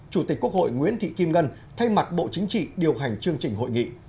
chủ tịch quốc hội nguyễn thị kim ngân thay mặt bộ chính trị điều hành chương trình hội nghị